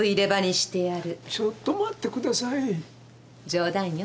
冗談よ。